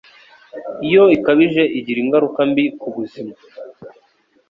iyo ikabije igira ingaruka mbi ku buzima